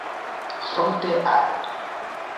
fronte al